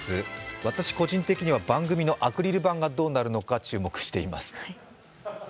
私個人的には番組のアクリル板がどうなるのか注目しています。